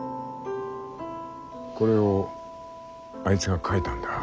これをあいつが書いたんだ。